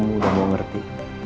om udah mau ngerti